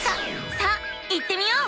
さあ行ってみよう！